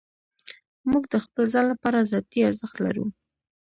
موږ د خپل ځان لپاره ذاتي ارزښت لرو.